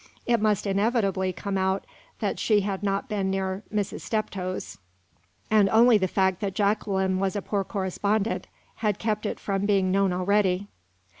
It must inevitably come out that she had not been near Mrs. Steptoe's, and only the fact that Jacqueline was a poor correspondent had kept it from being known already.